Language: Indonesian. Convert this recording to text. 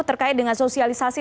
terkait dengan sosialisasi